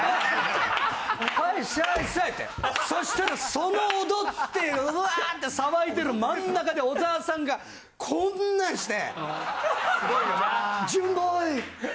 そしたらその踊ってるウワーッて騒いでる真ん中で小沢さんがこんなんして。